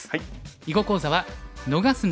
囲碁講座は「逃すな！